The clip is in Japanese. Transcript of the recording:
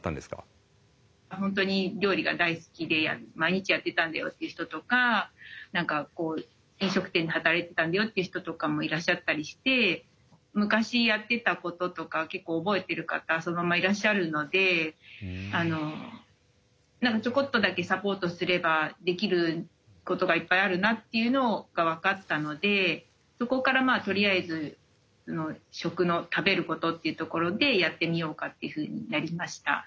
本当に料理が大好きで毎日やってたんだよっていう人とか何かこう飲食店で働いてたんだよっていう人とかもいらっしゃったりして昔やってたこととか結構覚えてる方そのままいらっしゃるので何かちょこっとだけサポートすればできることがいっぱいあるなっていうのが分かったのでそこからとりあえず食の食べることっていうところでやってみようかっていうふうになりました。